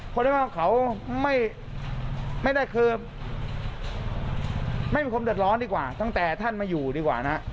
เรียกว่าเขาไม่ได้คือไม่มีความเดือดร้อนดีกว่าตั้งแต่ท่านมาอยู่ดีกว่านะ